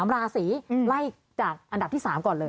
๓ราศีไล่จากอันดับที่๓ก่อนเลย